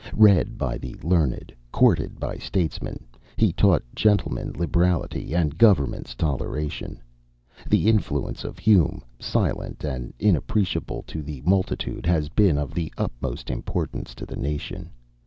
Read by the learned, courted by statesmen, he taught gentlemen liberality, and governments toleration. The influence of Hume, silent and inappreciable to the multitude, has been of the utmost importance to the nation.